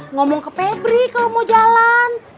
ngomong ke febri kalau mau jalan